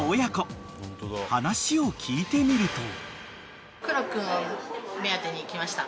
［話を聞いてみると］